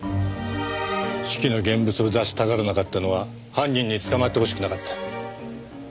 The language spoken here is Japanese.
手記の現物を出したがらなかったのは犯人に捕まってほしくなかった。